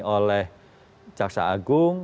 oleh kejaksaan agung